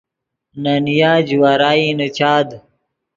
نے نیا جوارائی نیچاد